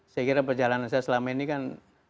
saya kira perjalanan saya selama ini kan